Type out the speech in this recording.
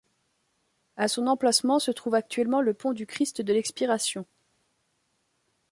À son emplacement se trouve actuellement le pont du Christ de l'Expiration.